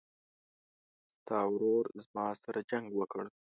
ستا ورور زما سره جنګ وکړ